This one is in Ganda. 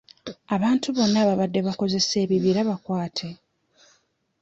Abantu bonna ababadde bakozesa ebibira bakwate.